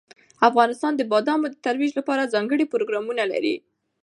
افغانستان د بادامو د ترویج لپاره ځانګړي پروګرامونه لري.